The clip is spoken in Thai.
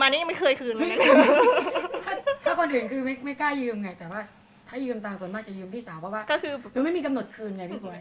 นี่หน้าด้านขอขึ้นอีกหรอ